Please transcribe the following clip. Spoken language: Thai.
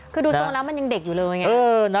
ก็ดูถ้าง้ายังเด็กอยู่เลยนะ